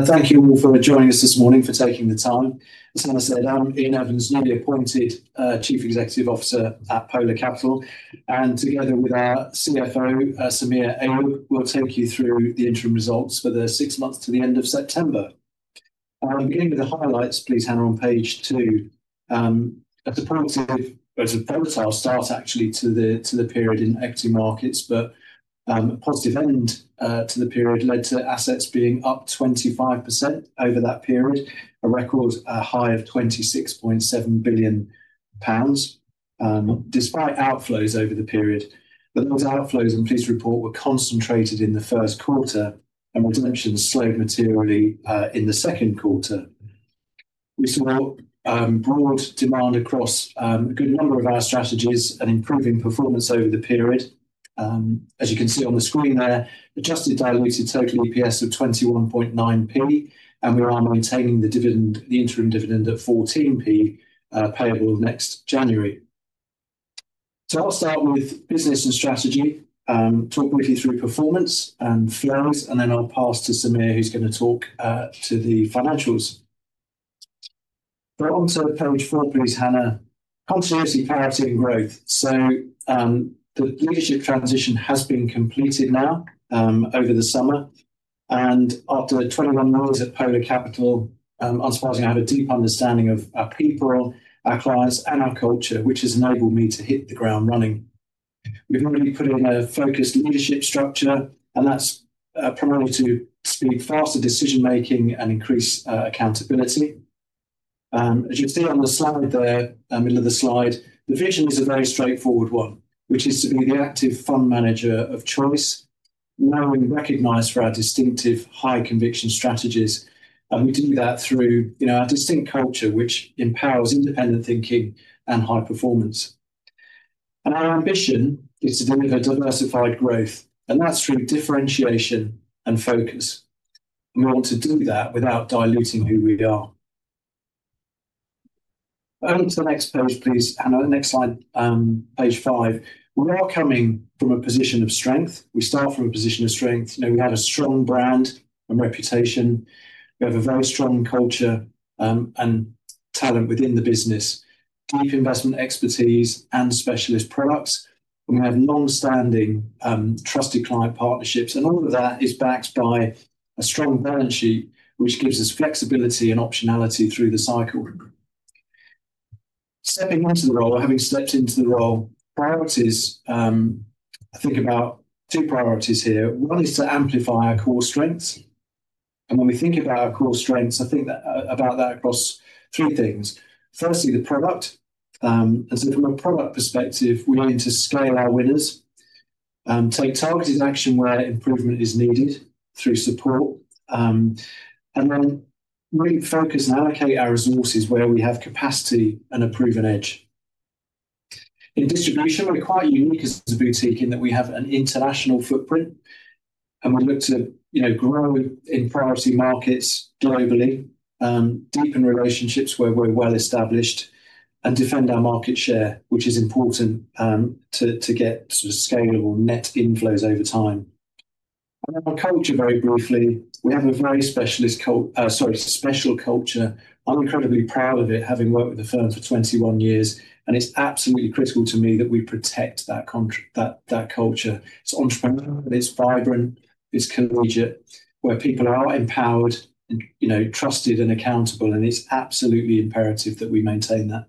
Thank you all for joining us this morning, for taking the time. As I said, I'm Iain Evans, newly appointed Chief Executive Officer at Polar Capital. Together with our CFO, Samir Ayub, we'll take you through the interim results for the six months to the end of September. Beginning with the highlights, please handle on page two. A supportive, a volatile start actually to the period in equity markets, but a positive end to the period led to assets being up 25% over that period, a record high of 26.7 billion pounds, despite outflows over the period. Those outflows, and please report, were concentrated in the first quarter, and redemptions slowed materially in the second quarter. We saw broad demand across a good number of our strategies and improving performance over the period. As you can see on the screen there, adjusted diluted total EPS of 0.219, and we are maintaining the dividend, the interim dividend at 0.14, payable next January. I will start with business and strategy, talk briefly through performance and flows, and then I will pass to Samir, who's going to talk to the financials. Onto page four, please, Hannah. Continuity, clarity, and growth. The leadership transition has been completed now over the summer. After 21 years at Polar Capital, I as far as having a deep understanding of our people, our clients, and our culture, which has enabled me to hit the ground running. We have already put in a focused leadership structure, and that is primarily to speed faster decision-making and increase accountability. As you see on the slide there, middle of the slide, the vision is a very straightforward one, which is to be the active fund manager of choice, knowingly recognized for our distinctive high-conviction strategies. We do that through our distinct culture, which empowers independent thinking and high performance. Our ambition is to deliver diversified growth, and that's through differentiation and focus. We want to do that without diluting who we are. To the next page, please, Hannah, next slide, page five. We are coming from a position of strength. We start from a position of strength. We have a strong brand and reputation. We have a very strong culture and talent within the business, deep investment expertise, and specialist products. We have long-standing trusted client partnerships. All of that is backed by a strong balance sheet, which gives us flexibility and optionality through the cycle. Stepping into the role, having stepped into the role, priorities, I think about two priorities here. One is to amplify our core strengths. When we think about our core strengths, I think about that across three things. Firstly, the product. From a product perspective, we need to scale our winners, take targeted action where improvement is needed through support, and then really focus and allocate our resources where we have capacity and a proven edge. In distribution, we are quite unique as a boutique in that we have an international footprint, and we look to grow in priority markets globally, deepen relationships where we are well established, and defend our market share, which is important to get sort of scalable net inflows over time. Our culture, very briefly, we have a very special culture. I'm incredibly proud of it, having worked with the firm for 21 years. It's absolutely critical to me that we protect that culture. It's entrepreneurial, it's vibrant, it's collegiate, where people are empowered, trusted, and accountable. It's absolutely imperative that we maintain that.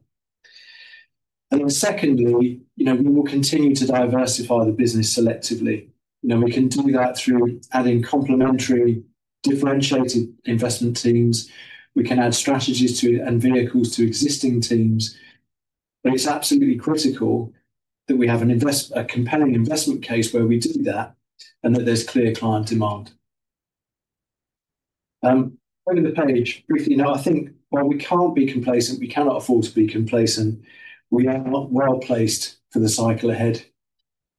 Secondly, we will continue to diversify the business selectively. We can do that through adding complementary differentiated investment teams. We can add strategies and vehicles to existing teams. It's absolutely critical that we have a compelling investment case where we do that and that there's clear client demand. Over the page, briefly now, I think we can't be complacent. We cannot afford to be complacent. We are well placed for the cycle ahead.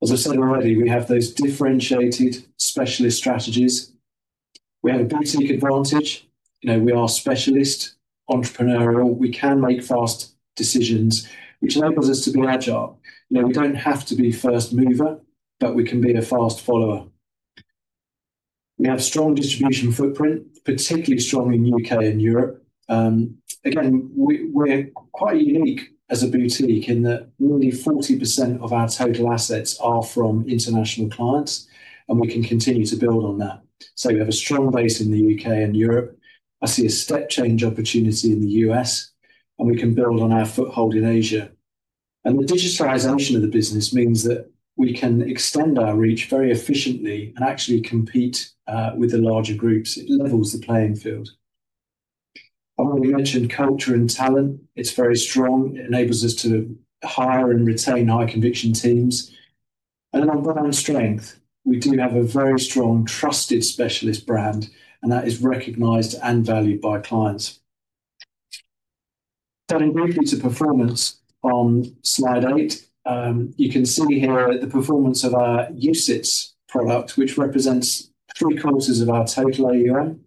As I've said already, we have those differentiated specialist strategies. We have a boutique advantage. We are specialist, entrepreneurial. We can make fast decisions, which enables us to be agile. We do not have to be first mover, but we can be a fast follower. We have strong distribution footprint, particularly strong in the U.K. and Europe. Again, we are quite unique as a boutique in that nearly 40% of our total assets are from international clients, and we can continue to build on that. We have a strong base in the U.K. and Europe. I see a step change opportunity in the U.S., and we can build on our foothold in Asia. The digitalization of the business means that we can extend our reach very efficiently and actually compete with the larger groups. It levels the playing field. I have already mentioned culture and talent. It is very strong. It enables us to hire and retain high conviction teams. On brand strength, we do have a very strong, trusted specialist brand, and that is recognized and valued by clients. Turning briefly to performance on slide eight, you can see here the performance of our UCITS product, which represents three-quarters of our total AuM.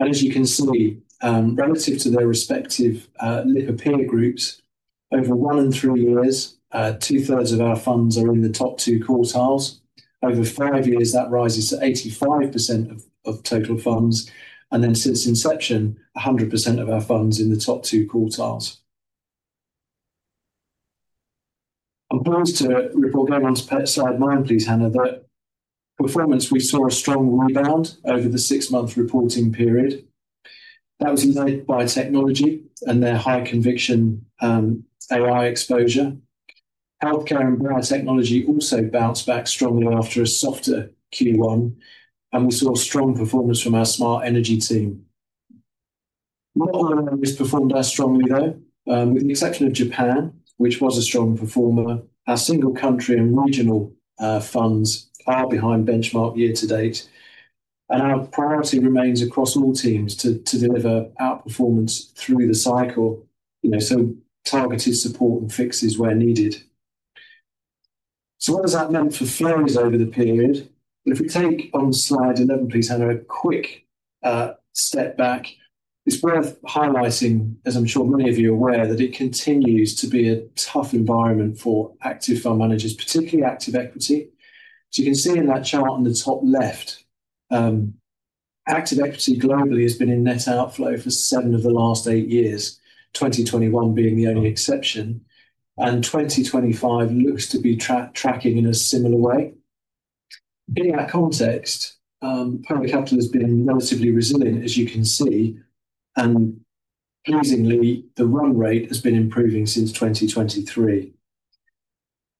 As you can see, relative to their respective Lipper Peer Groups, over one and three years, 2/3 of our funds are in the top two quartiles. Over five years, that rises to 85% of total funds. Since inception, 100% of our funds are in the top two quartiles. To report again on slide nine, please, Hannah, that performance, we saw a strong rebound over the six-month reporting period. That was led by Technology and their high conviction AI exposure. Healthcare and Biotechnology also bounced back strongly after a softer Q1, and we saw strong performance from our Smart Energy team. Not all areas performed as strongly, though, with the exception of Japan, which was a strong performer. Our single country and regional funds are behind benchmark year to date. Our priority remains across all teams to deliver outperformance through the cycle, so targeted support and fixes where needed. What does that mean for flows over the period? If we take on slide 11, please, Hannah, a quick step back, it's worth highlighting, as I'm sure many of you are aware, that it continues to be a tough environment for active fund managers, particularly active equity. You can see in that chart on the top left, Active Equity globally has been in net outflow for seven of the last eight years, 2021 being the only exception, and 2025 looks to be tracking in a similar way. In that context, Polar Capital has been relatively resilient, as you can see, and pleasingly, the run rate has been improving since 2023.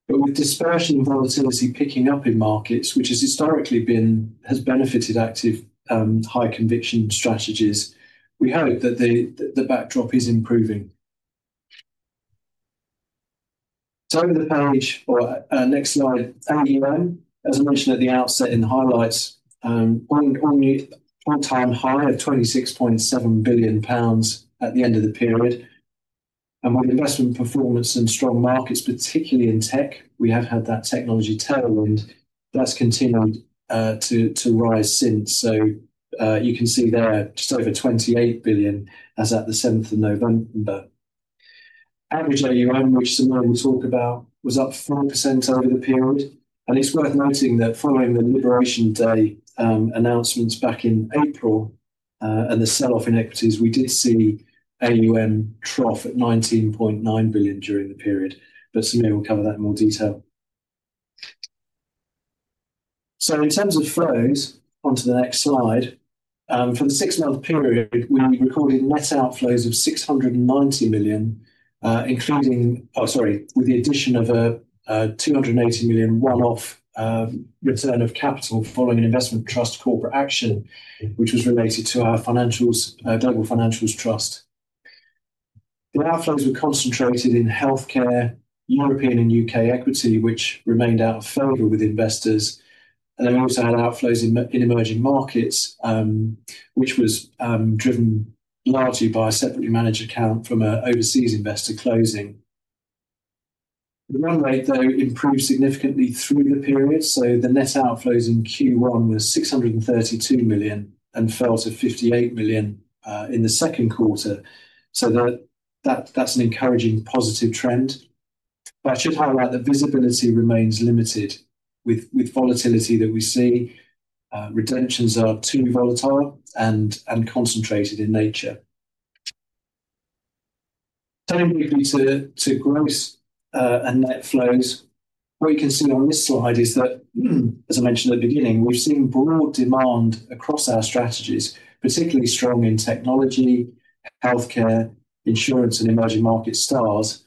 With dispersion and volatility picking up in markets, which has historically benefited active high conviction strategies, we hope that the backdrop is improving. Over the page, or next slide, AuM, as I mentioned at the outset in highlights, all-time high of 26.7 billion pounds at the end of the period. With investment performance and strong markets, particularly in tech, we have had that technology tailwind that has continued to rise since. You can see there just over 28 billion as at the 7th of November. Average AuM, which Samir will talk about, was up 4% over the period. It is worth noting that following the Liberation Day announcements back in April and the sell-off in equities, we did see AuM trough at 19.9 billion during the period. Samir will cover that in more detail. In terms of flows, onto the next slide. For the six-month period, we recorded net outflows of 690 million, with the addition of a 280 million one-off return of capital following an investment trust corporate action, which was related to our Global Financials Trust. The outflows were concentrated in healthcare, European and U.K. equity, which remained out of favor with investors. We also had outflows in emerging markets, which was driven largely by a separately managed account from an overseas investor closing. The run rate, though, improved significantly through the period. The net outflows in Q1 were 632 million and fell to 58 million in the second quarter. That is an encouraging positive trend. I should highlight that visibility remains limited with volatility that we see. Redemptions are too volatile and concentrated in nature. Turning briefly to gross and net flows, what you can see on this slide is that, as I mentioned at the beginning, we have seen broad demand across our strategies, particularly strong in technology, healthcare, insurance, and emerging market stars.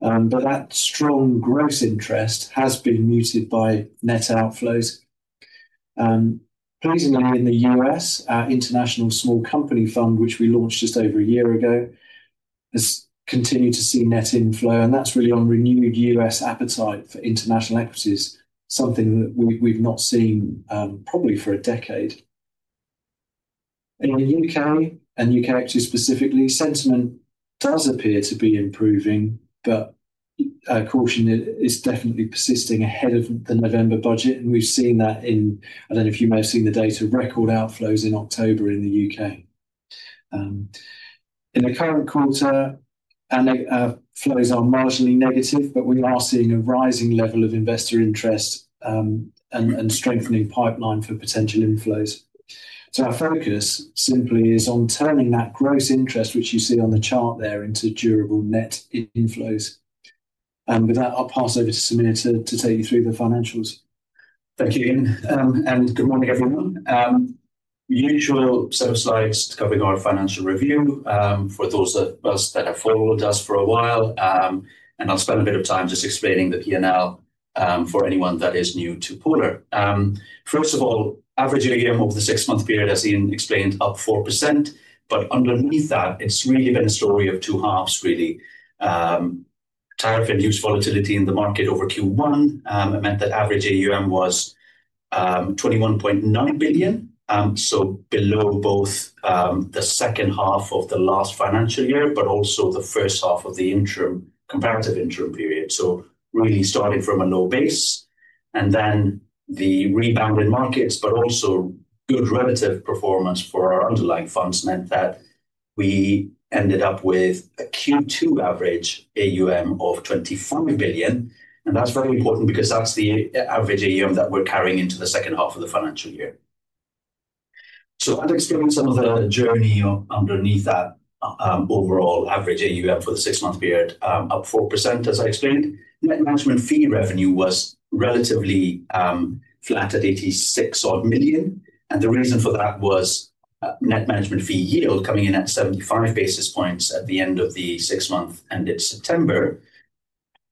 That strong gross interest has been muted by net outflows. Pleasingly, in the U.S., our International Small Company Fund, which we launched just over a year ago, has continued to see net inflow. That is really on renewed U.S. appetite for international equities, something that we have not seen probably for a decade. In the U.K., and U.K. equities specifically, sentiment does appear to be improving, but caution is definitely persisting ahead of the November budget. We've seen that in, I do not know if you may have seen the data, record outflows in October in the U.K. In the current quarter, our flows are marginally negative, but we are seeing a rising level of investor interest and strengthening pipeline for potential inflows. Our focus simply is on turning that gross interest, which you see on the chart there, into durable net inflows. With that, I'll pass over to Samir to take you through the financials. Thank you, Iain. Good morning, everyone. Usual set of slides covering our financial review for those of us that have followed us for a while. I'll spend a bit of time just explaining the P&L for anyone that is new to Polar. First of all, average AuM over the six-month period, as Iain explained, up 4%. Underneath that, it's really been a story of two halves, really. Tariff and huge volatility in the market over Q1. It meant that average AuM was 21.9 billion, so below both the second half of the last financial year, but also the first half of the comparative interim period. Really starting from a low base. The rebound in markets, but also good relative performance for our underlying funds, meant that we ended up with a Q2 average AuM of 25 billion. That is very important because that is the average AuM that we're carrying into the second half of the financial year. I would explain some of the journey underneath that overall average AuM for the six-month period, up 4%, as I explained. Net management fee revenue was relatively flat at 86 million. The reason for that was net management fee yield coming in at 75 basis points at the end of the six months ended September.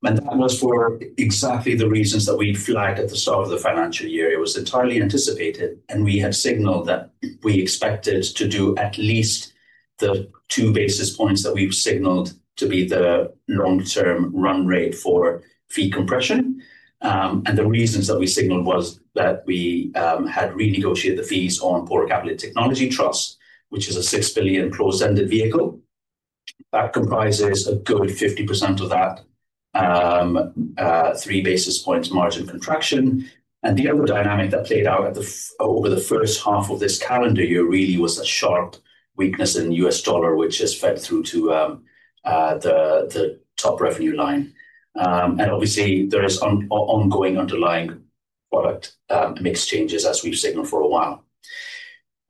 That was for exactly the reasons that we flagged at the start of the financial year. It was entirely anticipated, and we had signaled that we expected to do at least the 2 basis points that we have signaled to be the long-term run rate for fee compression. The reasons that we signaled were that we had renegotiated the fees on Polar Capital Technology Trust, which is a 6 billion closed-ended vehicle. That comprises a good 50% of that 3 basis points margin contraction. The other dynamic that played out over the first half of this calendar year really was a sharp weakness in the US dollar, which has fed through to the top revenue line. Obviously, there is ongoing underlying product mix changes, as we've signaled for a while.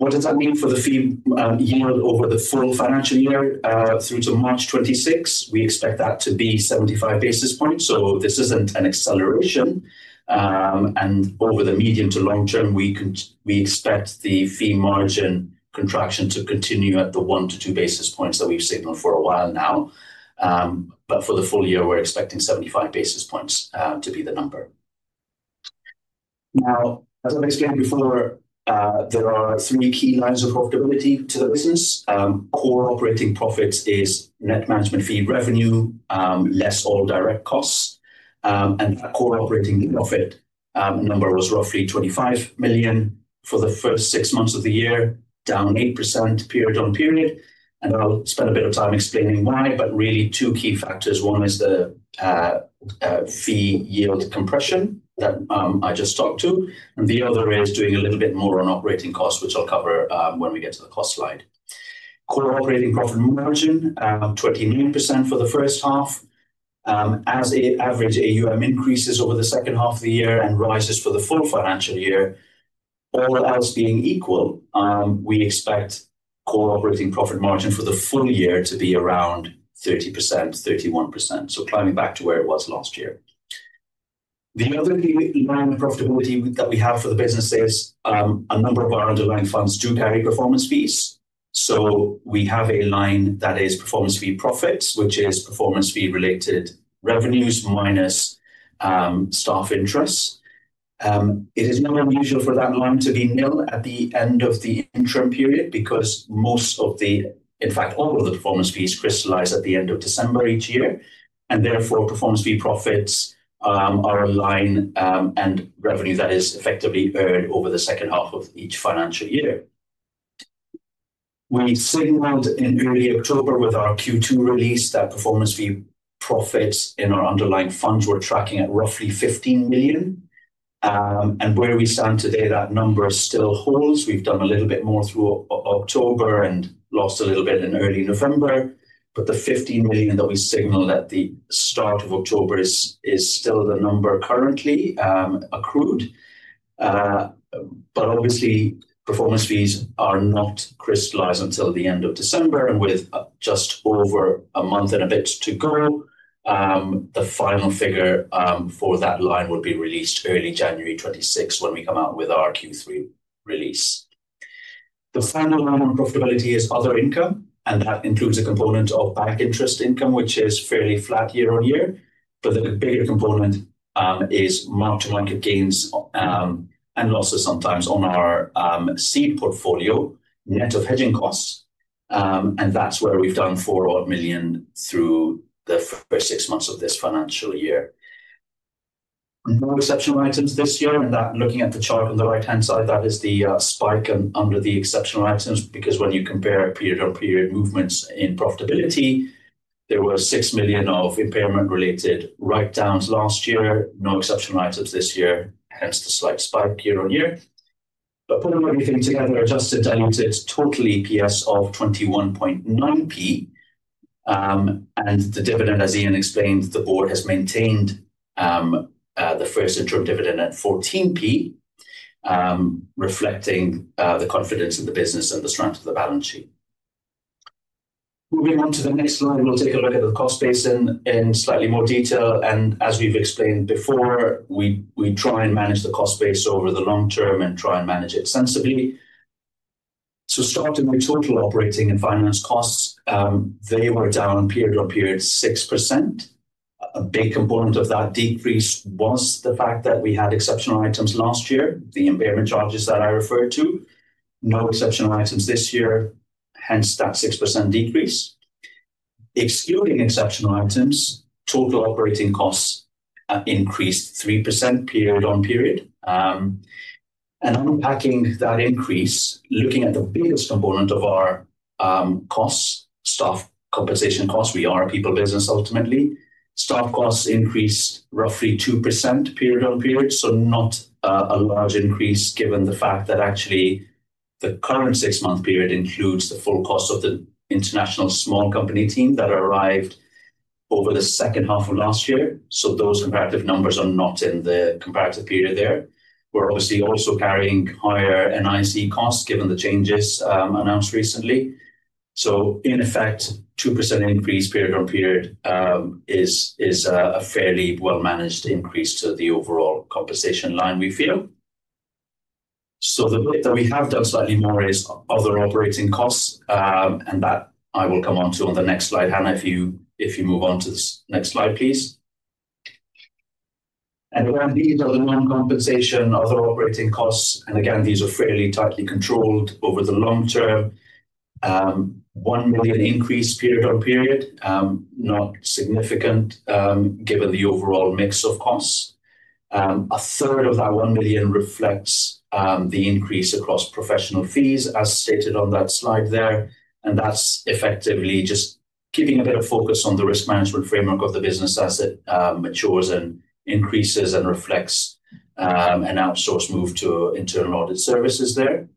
What does that mean for the fee yield over the full financial year through to March 2026? We expect that to be 75 basis points. This is not an acceleration. Over the medium to long term, we expect the fee margin contraction to continue at the 1-2 basis points that we've signaled for a while now. For the full year, we're expecting 75 basis points to be the number. As I've explained before, there are three key lines of profitability to the business. Core operating profit is net management fee revenue, less all direct costs. That core operating profit number was roughly 25 million for the first six months of the year, down 8% period-on-period. I'll spend a bit of time explaining why, but really two key factors. One is the fee yield compression that I just talked to. The other is doing a little bit more on operating costs, which I'll cover when we get to the cost slide. Core operating profit margin, 29% for the first half. As average AuM increases over the second half of the year and rises for the full financial year, all else being equal, we expect core operating profit margin for the full year to be around 30%-31%. Climbing back to where it was last year. The other line of profitability that we have for the business is a number of our underlying funds do carry performance fees. We have a line that is performance fee profits, which is performance fee-related revenues minus staff interests. It is not unusual for that line to be nil at the end of the interim period because most of the, in fact, all of the performance fees crystallize at the end of December each year. Therefore, performance fee profits are a line and revenue that is effectively earned over the second half of each financial year. We signaled in early October with our Q2 release that performance fee profits in our underlying funds were tracking at roughly 15 million. Where we stand today, that number still holds. We have done a little bit more through October and lost a little bit in early November. The 15 million that we signaled at the start of October is still the number currently accrued. Obviously, performance fees are not crystallized until the end of December. With just over a month and a bit to go, the final figure for that line will be released early January 2026 when we come out with our Q3 release. The final line on profitability is other income. That includes a component of bank interest income, which is fairly flat year on year. The bigger component is mark-to-market gains and losses sometimes on our seed portfolio, net of hedging costs. That is where we have done 4 million through the first six months of this financial year. No exceptional items this year. Looking at the chart on the right-hand side, that is the spike under the exceptional items. When you compare period-on-period movements in profitability, there were 6 million of impairment-related write-downs last year. No exceptional items this year, hence the slight spike year on year. Putting everything together, adjusted, diluted total EPS of 0.219. The dividend, as Iain explained, the board has maintained the first interim dividend at 0.14, reflecting the confidence in the business and the strength of the balance sheet. Moving on to the next slide, we will take a look at the cost base in slightly more detail. As we have explained before, we try and manage the cost base over the long term and try and manage it sensibly. Starting with total operating and finance costs, they were down period-on-period 6%. A big component of that decrease was the fact that we had exceptional items last year, the impairment charges that I referred to. No exceptional items this year, hence that 6% decrease. Excluding exceptional items, total operating costs increased 3% period-on-period. Unpacking that increase, looking at the biggest component of our costs, staff compensation costs, we are a people business ultimately, staff costs increased roughly 2% period-on-period. Not a large increase given the fact that actually the current six-month period includes the full cost of the International Small Company team that arrived over the second half of last year. Those comparative numbers are not in the comparative period there. We are obviously also carrying higher NIC costs given the changes announced recently. In effect, 2% increase period-on-period is a fairly well-managed increase to the overall compensation line we feel. The bit that we have done slightly more is other operating costs. I will come on to that on the next slide. Hannah, if you move on to the next slide, please. These are the non-compensation other operating costs. These are fairly tightly controlled over the long term. 1 million increase period-on-period, not significant given the overall mix of costs. A third of that 1 million reflects the increase across professional fees, as stated on that slide there. That is effectively just keeping a bit of focus on the risk management framework of the business as it matures and increases and reflects an outsource move to internal audit services there.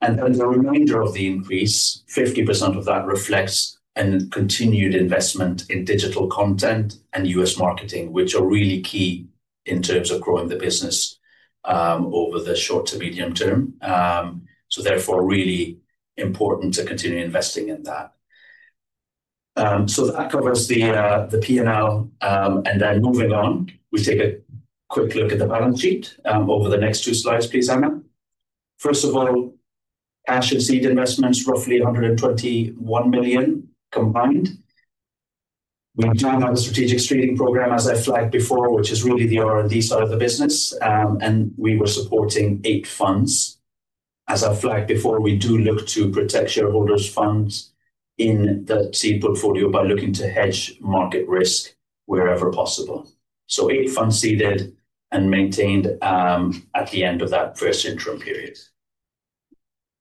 The remainder of the increase, 50% of that, reflects continued investment in digital content and U.S. marketing, which are really key in terms of growing the business over the short to medium term. Therefore, really important to continue investing in that. That covers the P&L. Moving on, we take a quick look at the balance sheet. Over the next two slides, please, Hannah. First of all, cash and seed investments, roughly 121 million combined. We do have a strategic streaming program, as I flagged before, which is really the R&D side of the business. We were supporting eight funds. As I flagged before, we do look to protect shareholders' funds in the seed portfolio by looking to hedge market risk wherever possible. Eight funds seeded and maintained at the end of that first interim period.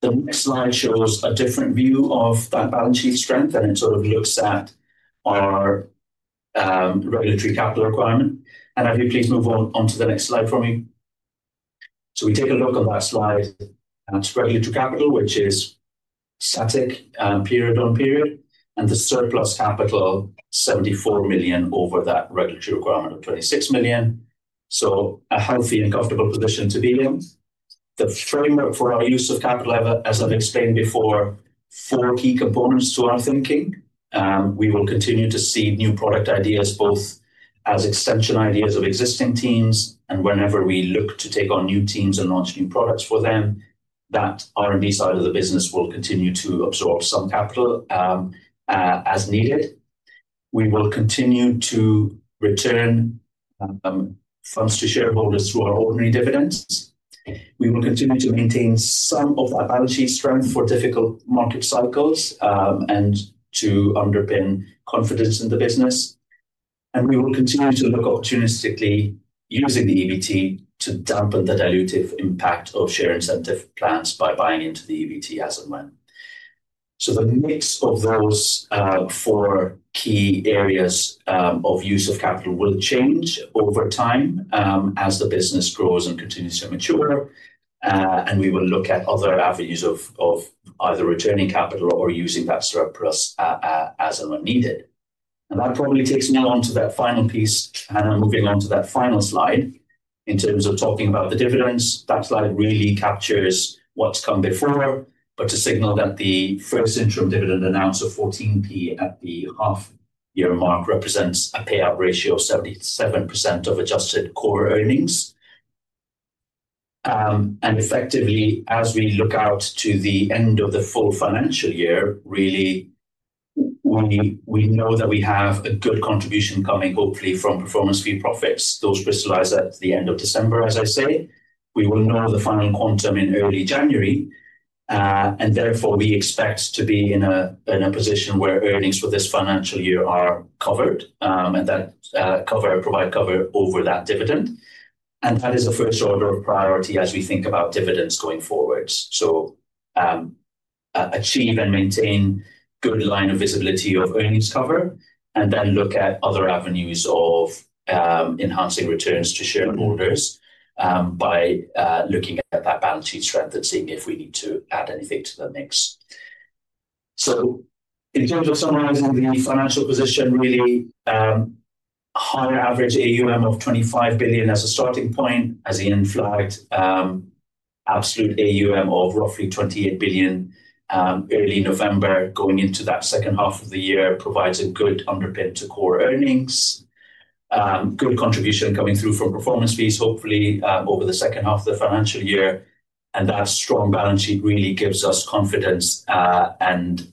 The next slide shows a different view of that balance sheet strength. It sort of looks at our regulatory capital requirement. I'd be pleased to move on to the next slide for me. We take a look on that slide at regulatory capital, which is static period-on-period. The surplus capital, 74 million over that regulatory requirement of 26 million. A healthy and comfortable position to be in. The framework for our use of capital, as I've explained before, four key components to our thinking. We will continue to see new product ideas, both as extension ideas of existing teams. Whenever we look to take on new teams and launch new products for them, that R&D side of the business will continue to absorb some capital as needed. We will continue to return funds to shareholders through our ordinary dividends. We will continue to maintain some of that balance sheet strength for difficult market cycles and to underpin confidence in the business. We will continue to look opportunistically, using the EBT, to dampen the dilutive impact of share incentive plans by buying into the EBT as and when. The mix of those four key areas of use of capital will change over time as the business grows and continues to mature. We will look at other avenues of either returning capital or using that surplus as and when needed. That probably takes me on to that final piece, Hannah, moving on to that final slide. In terms of talking about the dividends, that slide really captures what has come before. To signal that the first interim dividend announced of 0.14 at the half-year mark represents a payout ratio of 77% of adjusted core earnings. Effectively, as we look out to the end of the full financial year, really, we know that we have a good contribution coming, hopefully, from performance fee profits. Those crystallize at the end of December, as I say. We will know the final quantum in early January. Therefore, we expect to be in a position where earnings for this financial year are covered and that cover provides cover over that dividend. That is a first order of priority as we think about dividends going forward. Achieve and maintain good line of visibility of earnings cover. Then look at other avenues of enhancing returns to shareholders by looking at that balance sheet strength and seeing if we need to add anything to the mix. In terms of summarizing the financial position, really, higher average AuM of 25 billion as a starting point, as Iain flagged, absolute AuM of roughly 28 billion early November going into that second half of the year provides a good underpin to core earnings. Good contribution coming through from performance fees, hopefully, over the second half of the financial year. That strong balance sheet really gives us confidence and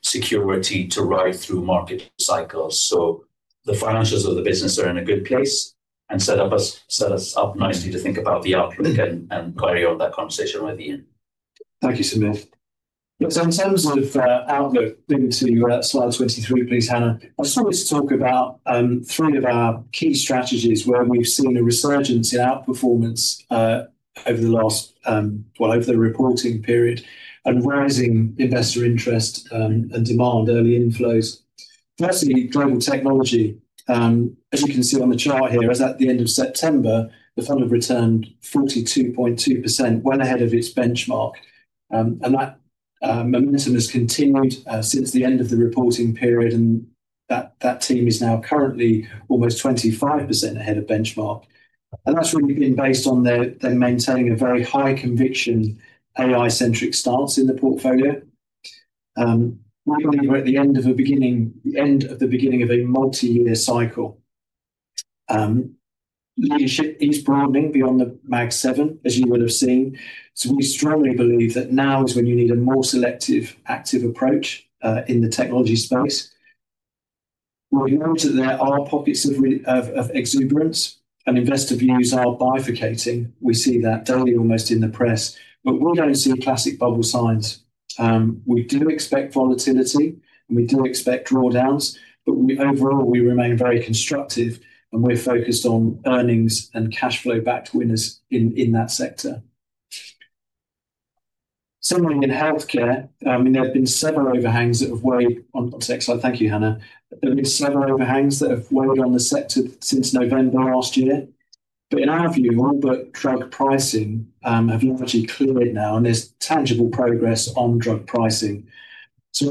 security to ride through market cycles. The financials of the business are in a good place and set us up nicely to think about the outlook and carry on that conversation with Iain. Thank you, Samir. In terms of outlook, moving to slide 23, please, Hannah. I saw this talk about three of our key strategies where we've seen a resurgence in outperformance over the last, over the reporting period and rising investor interest and demand, early inflows. Firstly, Global Technology. As you can see on the chart here, as at the end of September, the fund had returned 42.2% well ahead of its benchmark. That momentum has continued since the end of the reporting period. That team is now currently almost 25% ahead of benchmark. That has really been based on them maintaining a very high conviction, AI-centric stance in the portfolio. We believe we're at the end of the beginning of a multi-year cycle. Leadership is broadening beyond the Mag 7, as you will have seen. We strongly believe that now is when you need a more selective, active approach in the technology space. We've noted there are pockets of exuberance and investor views are bifurcating. We see that daily almost in the press. We do not see classic bubble signs. We do expect volatility. We do expect drawdowns. Overall, we remain very constructive. We're focused on earnings and cash flow back to winners in that sector. Similarly, in Healthcare, there have been several overhangs that have weighed on the next slide. Thank you, Hannah. There have been several overhangs that have weighed on the sector since November last year. In our view, all but drug pricing have largely cleared now. There is tangible progress on drug pricing.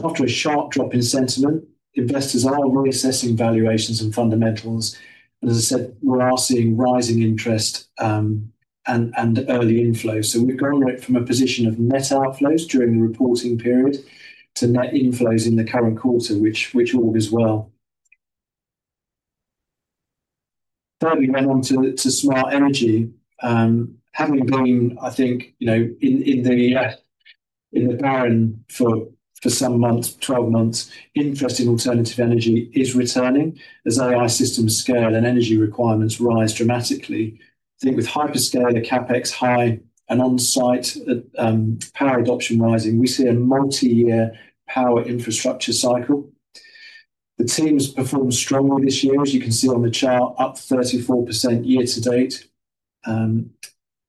After a sharp drop in sentiment, investors are reassessing valuations and fundamentals. As I said, we are all seeing rising interest and early inflows. We have gone away from a position of net outflows during the reporting period to net inflows in the current quarter, which bodes well. Thirdly, we went on to Smart Energy. Having been, I think, in the barren for some months, twelve months, interest in alternative energy is returning as AI systems scale and energy requirements rise dramatically. I think with hyperscale, CapEx high, and on-site power adoption rising, we see a multi-year power infrastructure cycle. The team's performed strongly this year, as you can see on the chart, up 34% year to date.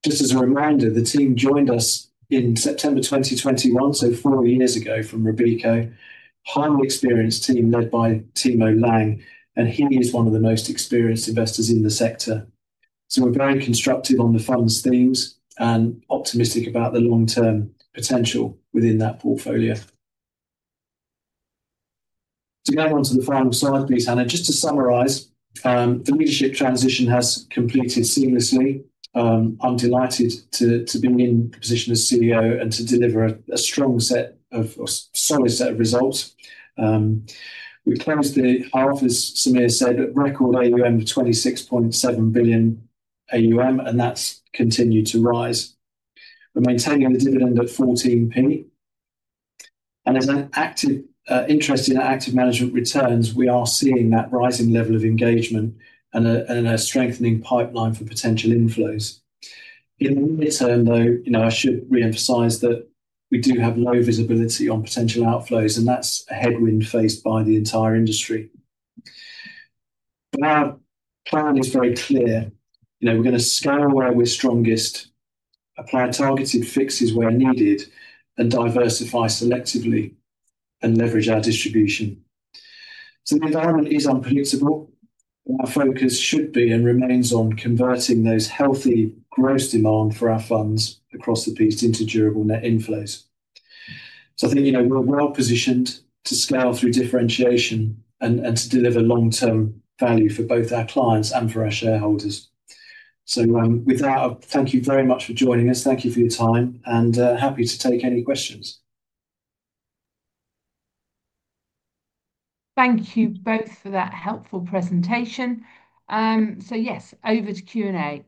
Just as a reminder, the team joined us in September 2021, so three years ago from Robeco. Highly experienced team led by Thiemo Lang. He is one of the most experienced investors in the sector. We are very constructive on the fund's themes and optimistic about the long-term potential within that portfolio. To go on to the final slide, please, Hannah. Just to summarize, the leadership transition has completed seamlessly. I am delighted to be in the position as CEO and to deliver a strong set of solid set of results. We closed the half, as Samir said, at record 26.7 billion AuM. That has continued to rise. We are maintaining the dividend at 0.14. As an active interest in active management returns, we are seeing that rising level of engagement and a strengthening pipeline for potential inflows. In the interim, I should re-emphasize that we do have low visibility on potential outflows. That is a headwind faced by the entire industry. Our plan is very clear. We're going to scale where we're strongest, apply targeted fixes where needed, and diversify selectively and leverage our distribution. The environment is unpredictable. Our focus should be and remains on converting those healthy gross demand for our funds across the piece into durable net inflows. I think we're well positioned to scale through differentiation and to deliver long-term value for both our clients and for our shareholders. With that, I thank you very much for joining us. Thank you for your time. Happy to take any questions. Thank you both for that helpful presentation. Yes, over to Q&A.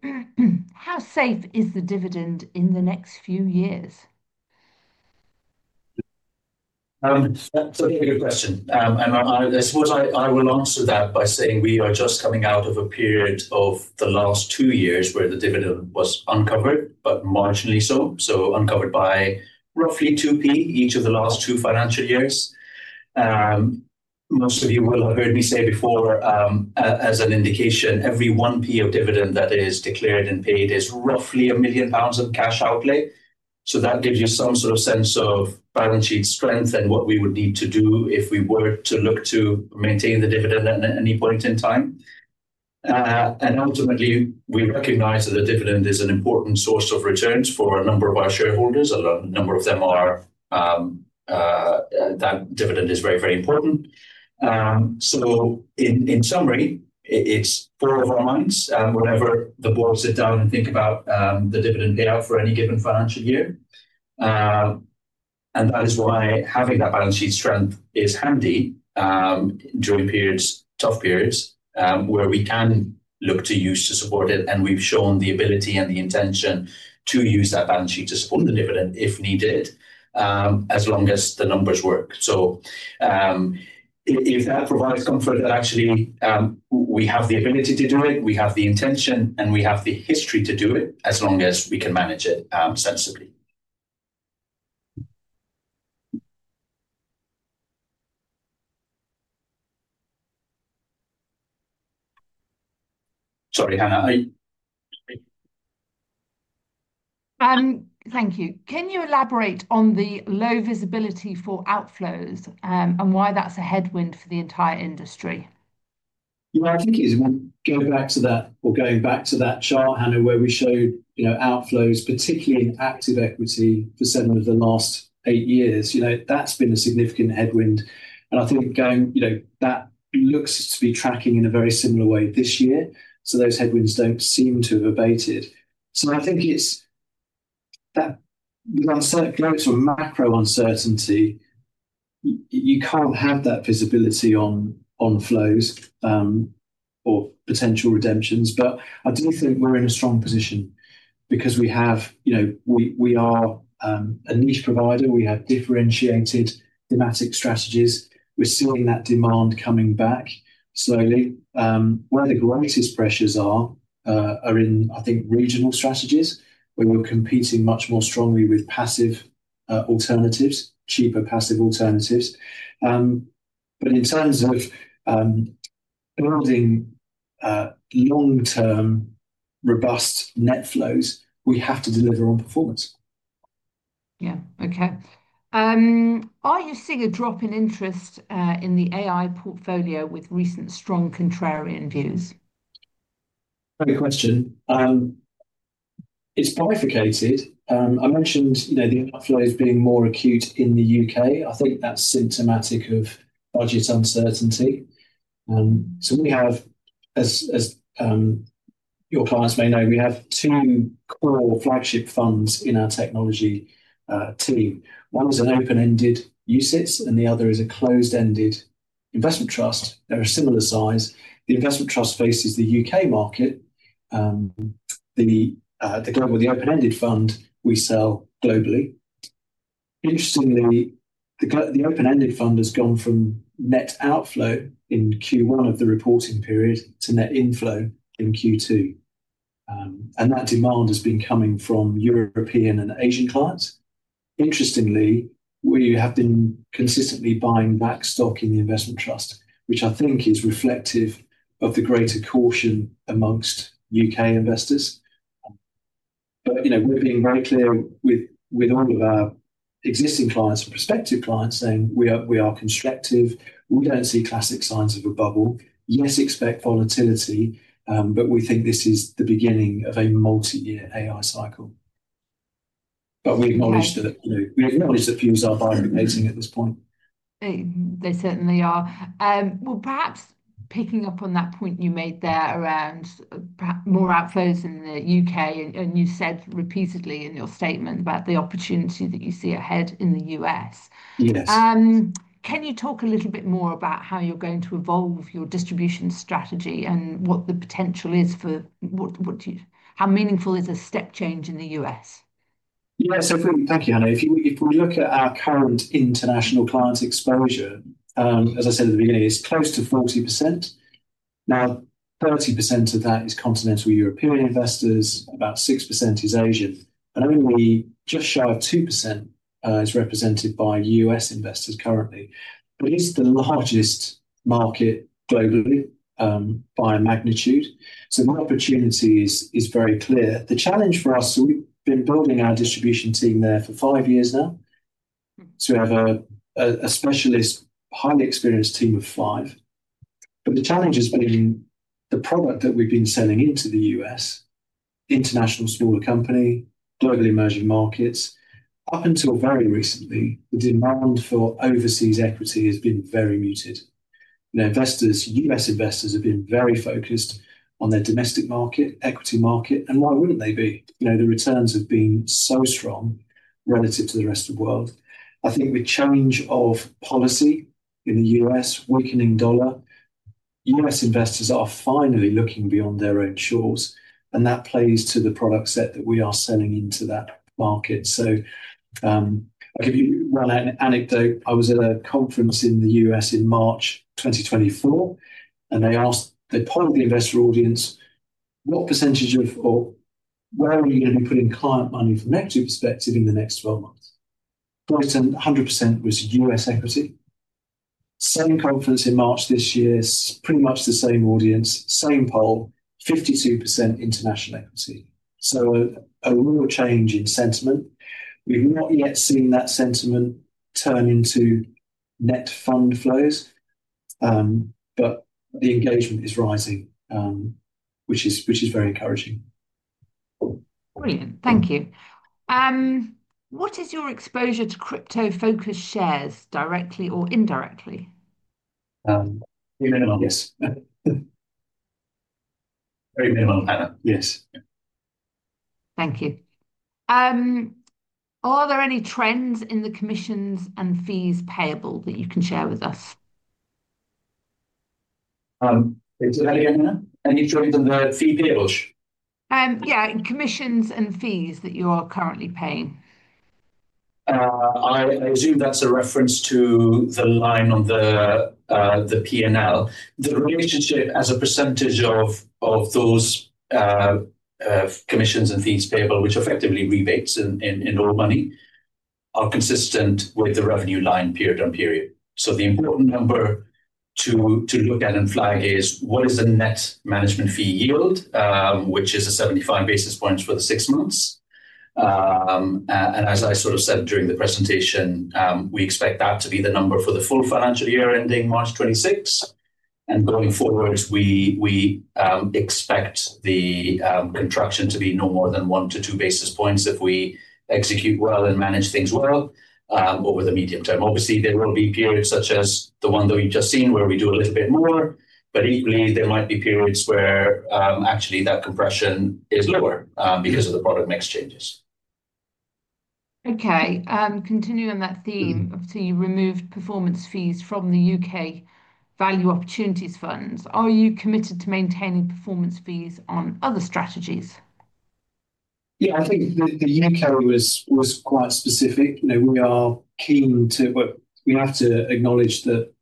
How safe is the dividend in the next few years? That's a very good question. I suppose I will answer that by saying we are just coming out of a period of the last two years where the dividend was uncovered, but marginally so. Uncovered by roughly 0.02 each of the last two financial years. Most of you will have heard me say before, as an indication, every 0.01 of dividend that is declared and paid is roughly 1 million pounds in cash outlay. That gives you some sort of sense of balance sheet strength and what we would need to do if we were to look to maintain the dividend at any point in time. Ultimately, we recognize that the dividend is an important source of returns for a number of our shareholders. A number of them are that dividend is very, very important. In summary, it is front of our minds whenever the boards sit down and think about the dividend payout for any given financial year. That is why having that balance sheet strength is handy during tough periods, where we can look to use it to support it. We have shown the ability and the intention to use that balance sheet to support the dividend if needed, as long as the numbers work. If that provides comfort, actually we have the ability to do it, we have the intention, and we have the history to do it as long as we can manage it sensibly. Sorry, Hannah. Thank you. Can you elaborate on the low visibility for outflows and why that is a headwind for the entire industry? I think if we go back to that chart, Hannah, where we showed outflows, particularly in active equity for seven of the last eight years, that has been a significant headwind. I think that looks to be tracking in a very similar way this year. Those headwinds do not seem to have abated. I think it is that with uncertainties or macro uncertainty, you cannot have that visibility on flows or potential redemptions. I do think we are in a strong position because we are a niche provider. We have differentiated thematic strategies. We are seeing that demand coming back slowly. The greatest pressures are in, I think, regional strategies, where we are competing much more strongly with passive alternatives, cheaper passive alternatives. In terms of building long-term robust net flows, we have to deliver on performance. Yeah. Okay. Are you seeing a drop in interest in the AI portfolio with recent strong contrarian views? Great question. It is bifurcated. I mentioned the outflows being more acute in the U.K. I think that is symptomatic of budget uncertainty. We have, as your clients may know, two core flagship funds in our technology team. One is an open-ended UCITS, and the other is a closed-ended investment trust. They are a similar size. The investment trust faces the U.K. market. The open-ended fund we sell globally. Interestingly, the open-ended fund has gone from net outflow in Q1 of the reporting period to net inflow in Q2. That demand has been coming from European and Asian clients. Interestingly, we have been consistently buying back stock in the investment trust, which I think is reflective of the greater caution amongst U.K. investors. We are being very clear with all of our existing clients and prospective clients saying we are constructive. We do not see classic signs of a bubble. Yes, expect volatility. We think this is the beginning of a multi-year AI cycle. We acknowledge that views are bifurcating at this point. They certainly are. Perhaps picking up on that point you made there around more outflows in the U.K., you said repeatedly in your statement about the opportunity that you see ahead in the U.S. Can you talk a little bit more about how you're going to evolve your distribution strategy and what the potential is for how meaningful is a step change in the U.S.? Yeah, thank you, Hannah. If we look at our current international clients' exposure, as I said at the beginning, it's close to 40%. Now, 30% of that is continental European investors. About 6% is Asian. And only just shy of 2% is represented by U.S. investors currently. It is the largest market globally by magnitude. The opportunity is very clear. The challenge for us, we've been building our distribution team there for five years now. We have a specialist, highly experienced team of five. The challenge has been the product that we've been selling into the U.S., international smaller company, globally emerging markets. Up until very recently, the demand for overseas equity has been very muted. U.S. investors have been very focused on their domestic market, equity market. Why wouldn't they be? The returns have been so strong relative to the rest of the world. I think the change of policy in the U.S., weakening dollar, U.S. investors are finally looking beyond their own shores. That plays to the product set that we are selling into that market. I'll give you one anecdote. I was at a conference in the U.S. in March 2024. They asked the poll of the investor audience, what percentage of or where are you going to be putting client money from an equity perspective in the next 12 months? 100% was U.S. equity. Same conference in March this year, pretty much the same audience, same poll, 52% international equity. A real change in sentiment. We've not yet seen that sentiment turn into net fund flows. The engagement is rising, which is very encouraging. Brilliant. Thank you. What is your exposure to crypto-focused shares, directly or indirectly? Very minimal, yes. Very minimal, Hannah. Yes. Thank you. Are there any trends in the commissions and fees payable that you can share with us? Say that again, Hannah. Any trends in the fee payables? Yeah. Commissions and fees that you are currently paying. I assume that's a reference to the line on the P&L. The relationship as a percentage of those commissions and fees payable, which effectively rebates in all money, are consistent with the revenue line period-on-period. The important number to look at and flag is what is the net management fee yield, which is 75 basis points for the six months. As I sort of said during the presentation, we expect that to be the number for the full financial year ending March 2026. Going forward, we expect the contraction to be no more than 1-2 basis points if we execute well and manage things well over the medium term. Obviously, there will be periods such as the one that we have just seen where we do a little bit more. Equally, there might be periods where actually that compression is lower because of the product mix changes. Okay. Continuing on that theme, so you removed performance fees from the U.K. Value Opportunities Fund. Are you committed to maintaining performance fees on other strategies? Yeah. I think the U.K. was quite specific. We are keen to, we have to acknowledge the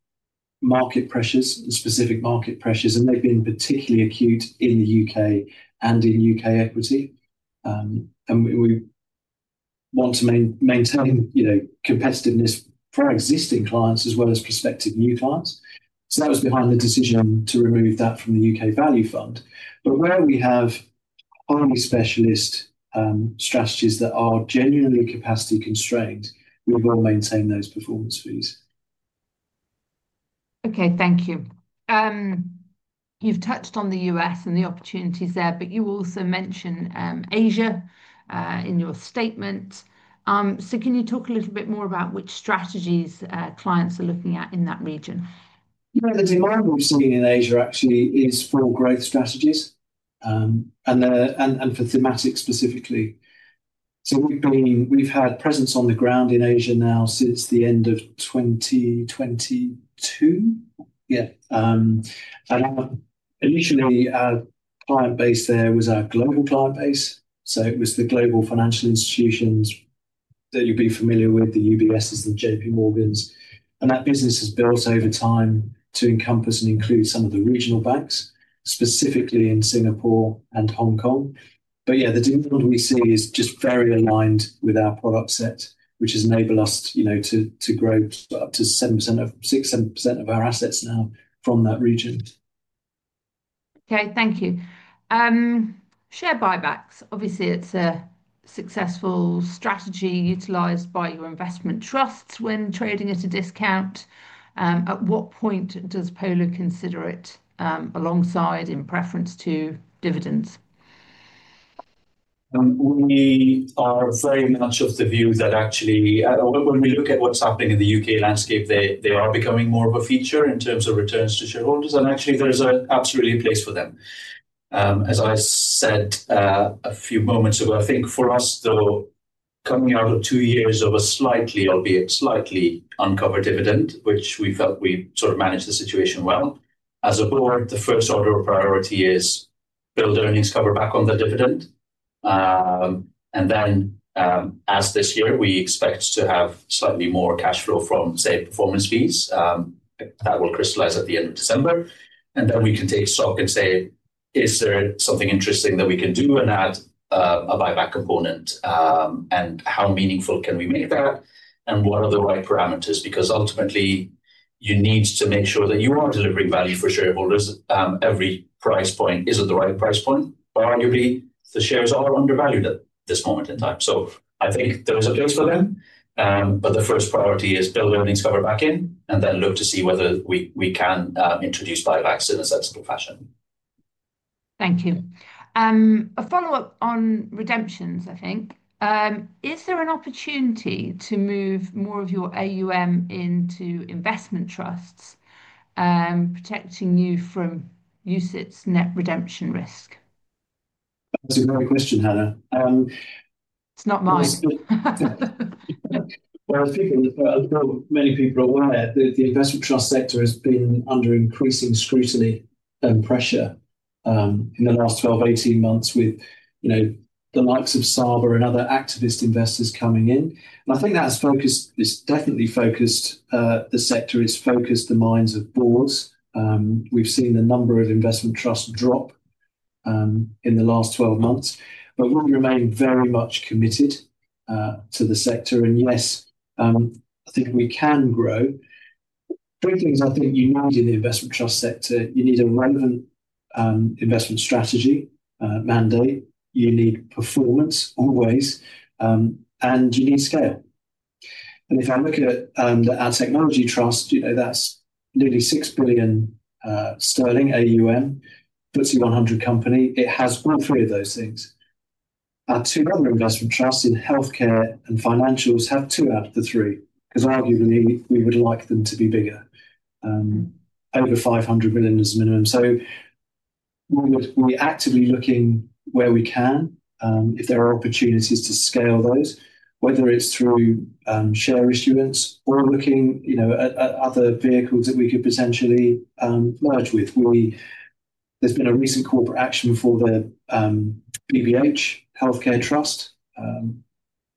market pressures, the specific market pressures. And they've been particularly acute in the U.K. and in U.K. equity. We want to maintain competitiveness for existing clients as well as prospective new clients. That was behind the decision to remove that from the U.K. Value Fund. Where we have only specialist strategies that are genuinely capacity constrained, we will maintain those performance fees. Okay. Thank you. You've touched on the U.S. and the opportunities there, but you also mentioned Asia in your statement. Can you talk a little bit more about which strategies clients are looking at in that region? The demand we've seen in Asia actually is for growth strategies and for thematics specifically. We've had presence on the ground in Asia now since the end of 2022. Yeah. Initially, our client base there was our global client base. It was the global financial institutions that you'll be familiar with, the UBSs, the JPMorgans. That business has built over time to encompass and include some of the regional banks, specifically in Singapore and Hong Kong. Yeah, the demand we see is just very aligned with our product set, which has enabled us to grow up to 6% of our assets now from that region. Okay. Thank you. Share buybacks. Obviously, it's a successful strategy utilized by your investment trusts when trading at a discount. At what point does Polar consider it alongside in preference to dividends? We are very much of the view that actually, when we look at what is happening in the U.K. landscape, they are becoming more of a feature in terms of returns to shareholders. There is absolutely a place for them. As I said a few moments ago, I think for us, though, coming out of two years of a slightly, albeit slightly uncovered dividend, which we felt we sort of managed the situation well. As a Board, the first order of priority is build earnings, cover back on the dividend. As this year, we expect to have slightly more cash flow from, say, performance fees. That will crystallize at the end of December. We can take stock and say, is there something interesting that we can do and add a buyback component? How meaningful can we make that? What are the right parameters? Because ultimately, you need to make sure that you are delivering value for shareholders. Every price point is not the right price point. Arguably, the shares are undervalued at this moment in time. I think there is a place for them. The first priority is build earnings, cover back in, and then look to see whether we can introduce buybacks in a sensible fashion. Thank you. A follow-up on redemptions, I think. Is there an opportunity to move more of your AuM into investment trusts, protecting you from UCITS net redemption risk? That's a great question, Hannah. It's not mine. I think many people are aware that the investment trust sector has been under increasing scrutiny and pressure in the last 12-18 months with the likes of Saber and other activist investors coming in. I think that's focused. It's definitely focused. The sector has focused the minds of boards. We've seen the number of investment trusts drop in the last 12 months. We remain very much committed to the sector. Yes, I think we can grow. Three things I think you need in the investment trust sector. You need a relevant investment strategy mandate. You need performance always. You need scale. If I look at our technology trusts, that's nearly 6 billion sterling AuM, puts you 100 company. It has all three of those things. Our two other investment trusts in healthcare and financials have two out of the three because, arguably, we would like them to be bigger. Over 500 million is minimum. We are actively looking where we can if there are opportunities to scale those, whether it's through share issuance or looking at other vehicles that we could potentially merge with. There's been a recent corporate action for the BBH Healthcare Trust.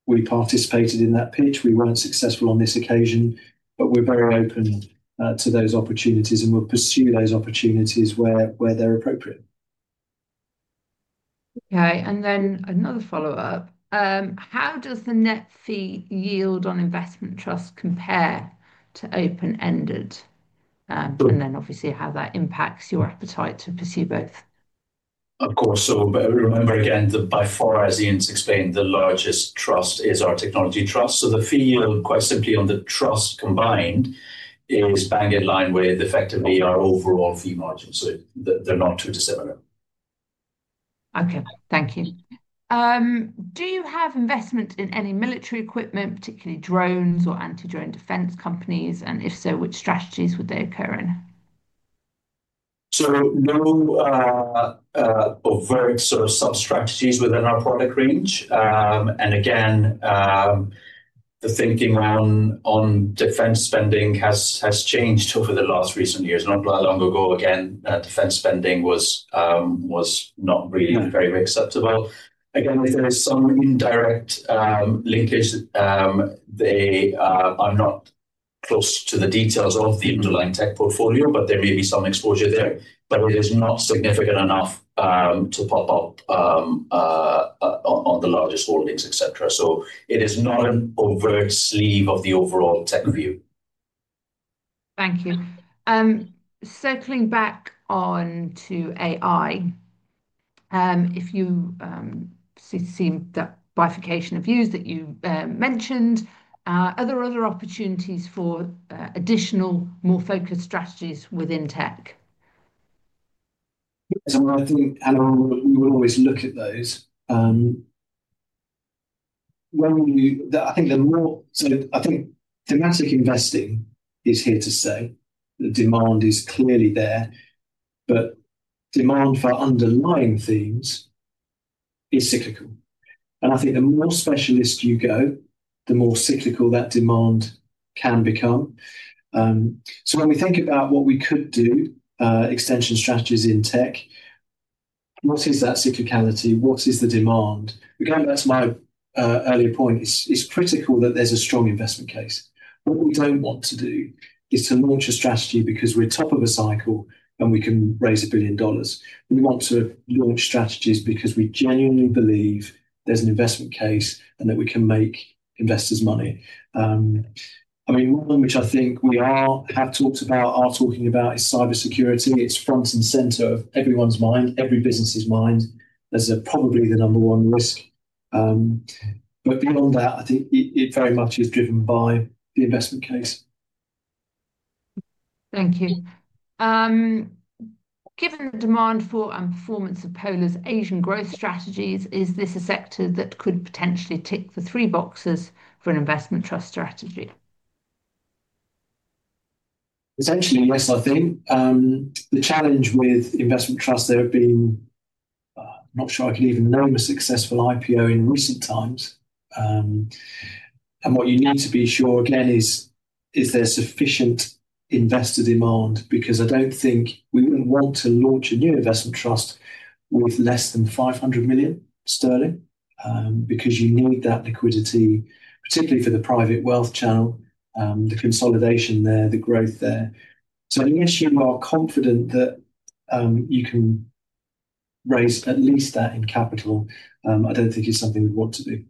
We participated in that pitch. We weren't successful on this occasion. We are very open to those opportunities. We will pursue those opportunities where they're appropriate. Okay. Another follow-up. How does the net fee yield on investment trusts compare to open-ended? How does that impact your appetite to pursue both? Of course. Remember again that by far, as Iain's explained, the largest trust is our technology trust. The fee yield, quite simply on the trust combined, is bang in line with effectively our overall fee margin. They are not too dissimilar. Okay. Thank you. Do you have investment in any military equipment, particularly drones or anti-drone defense companies? If so, which strategies would they occur in? No overt sort of sub-strategies within our product range. The thinking on defense spending has changed over the last recent years. Not long ago, defense spending was not really very acceptable. There is some indirect linkage. They are not close to the details of the underlying tech portfolio, but there may be some exposure there. It is not significant enough to pop up on the largest holdings, etc. It is not an overt sleeve of the overall tech view. Thank you. Circling back on to AI, if you see that bifurcation of views that you mentioned, are there other opportunities for additional more focused strategies within tech? Yes. I think, Hannah, we will always look at those. Thematic investing is here to stay. The demand is clearly there. Demand for underlying themes is cyclical. I think the more specialist you go, the more cyclical that demand can become. When we think about what we could do, extension strategies in tech, what is that cyclicality? What is the demand? Again, that's my earlier point. It's critical that there's a strong investment case. What we do not want to do is to launch a strategy because we're top of a cycle and we can raise $1 billion. We want to launch strategies because we genuinely believe there's an investment case and that we can make investors money. I mean, one which I think we have talked about, are talking about, is cybersecurity. It's front and center of everyone's mind, every business's mind. There's probably the number one risk. Beyond that, I think it very much is driven by the investment case. Thank you. Given the demand for and performance of Polar's Asian growth strategies, is this a sector that could potentially tick the three boxes for an investment trust strategy? Potentially, yes, I think. The challenge with investment trusts, there have been not sure I could even name a successful IPO in recent times. What you need to be sure again is there's sufficient investor demand because I don't think we wouldn't want to launch a new investment trust with less than 500 million sterling because you need that liquidity, particularly for the private wealth channel, the consolidation there, the growth there. Unless you are confident that you can raise at least that in capital, I don't think it's something we'd want to do.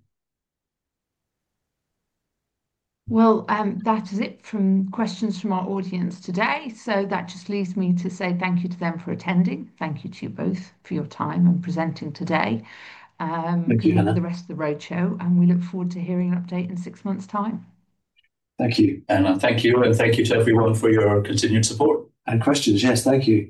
That is it from questions from our audience today. That just leaves me to say thank you to them for attending. Thank you to you both for your time and presenting today. Thank you, Hannah. Thank you to the rest of the roadshow. We look forward to hearing an update in six months' time. Thank you, Hannah. Thank you. Thank you to everyone for your continued support and questions. Yes. Thank you.